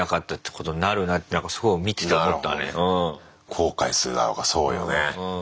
後悔するだろうからそうよね。